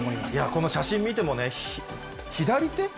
この写真見てもね、左手？